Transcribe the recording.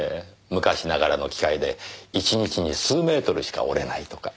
昔ながらの機械で一日に数メートルしか織れないとか。